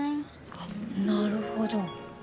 なるほど。